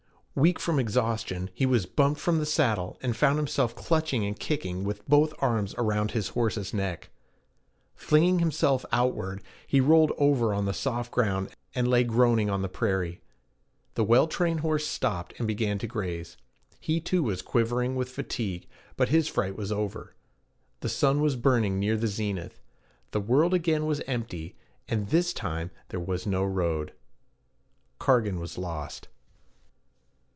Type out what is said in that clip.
Weak from exhaustion, he was bumped from the saddle, and found himself clutching and kicking with both arms around his horse's neck. Flinging himself outward, he rolled over on the soft ground, and lay groaning on the prairie. The well trained horse stopped and began to graze; he too was quivering with fatigue, but his fright was over. The sun was burning near the zenith. The world again was empty, and this time there was no road. Cargan was lost.